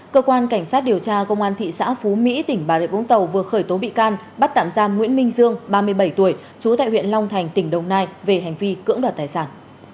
cơ quan cảnh sát điều tra công an thị xã phú mỹ tỉnh bà rịa vũng tàu vừa khởi tố bị can bắt tạm giam nguyễn minh dương ba mươi bảy tuổi trú tại huyện long thành tỉnh đồng nai về hành vi cưỡng đoạt tài sản